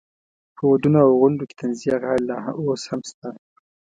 په ودونو او غونډو کې طنزیه غاړې لا اوس هم شته.